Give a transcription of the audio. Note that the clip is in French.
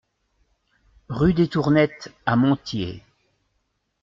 Rue des Tournettes à Montiers